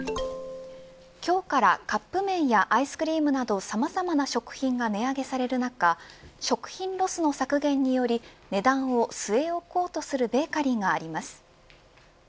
今日からカップ麺やアイスクリームなどさまざまな食品が値上げされる中食品ロスの削減により値段を据え置こうとするベーカリーがあります。